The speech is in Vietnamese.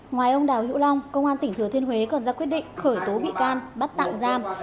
ngoài ông đào hữu long công an tỉnh thừa thiên huế còn ra quyết định khởi tố bị can bắt tạm giam